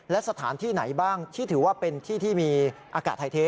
และสถานที่ไหนบ้างที่ถือว่าเป็นที่ที่มีอากาศไทยเท